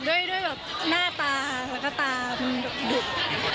ด้วยแบบหน้าตาแล้วก็ตามันดุ